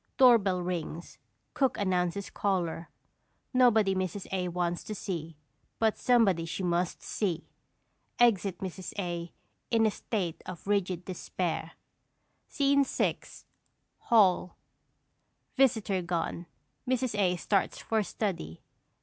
Doorbell rings, cook announces caller; nobody Mrs. A. wants to see, but somebody she MUST see. Exit Mrs. A. in a state of rigid despair._ SCENE VI. HALL. [_Visitor gone; Mrs. A. starts for study.